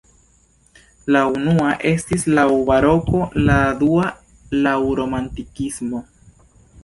La unua estis laŭ baroko, la dua laŭ romantikismo.